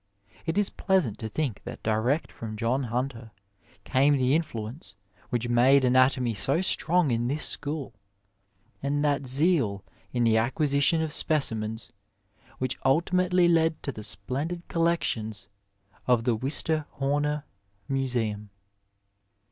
It is pleasant to think that direct from John Hunter came the influence which made anatomy so strong in this school, and that zeal in the acquisition of specimens which ultimately led to the splendid collections of the Wistar Homer Museum.